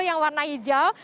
yang warna hijau